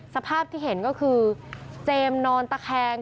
สภาพที่เห็นก็คือเจมส์นอนตะแคง